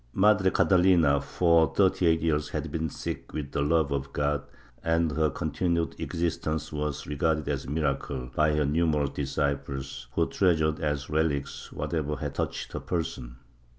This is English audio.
Madre Catalina, for thirty eight years, had been sick with the love of God, and her continued exist ence was regarded as a miracle by her numerous disciples, who treasured as relics whatever had touched her person.